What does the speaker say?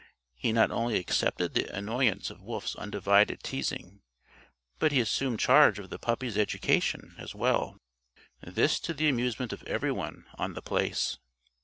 He not only accepted the annoyance of Wolf's undivided teasing, but he assumed charge of the puppy's education as well this to the amusement of everyone on The Place.